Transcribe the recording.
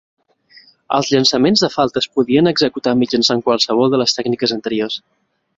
Els llançaments de falta es podien executar mitjançant qualsevol de les tècniques anteriors.